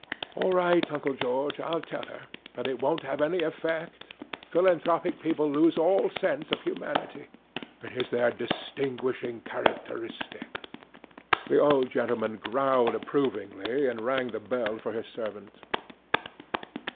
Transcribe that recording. "All right, Uncle George, I'll tell her, but it won't have any effect. Philanthropic people lose all sense of humanity. It is their distinguishing characteristic." The old gentleman growled approvingly and rang the bell for his servant.